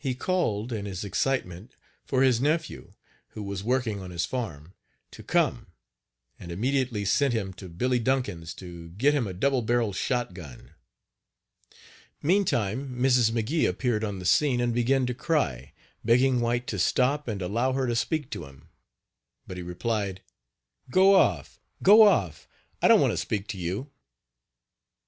He called, in his excitement, for his nephew, who was working on his farm, to come, and Page 57 immediately sent him to Billy Duncan's to get him a double barreled shot gun. Meantime, Mrs. McGee appeared on the scene, and began to cry, begging White to stop and allow her to speak to him. But he replied: "Go off, go off, I don't want to speak to you."